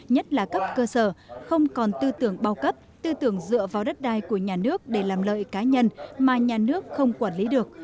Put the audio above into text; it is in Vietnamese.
nhất là cấp cơ sở không còn tư tưởng bao cấp tư tưởng dựa vào đất đai của nhà nước để làm lợi cá nhân mà nhà nước không quản lý được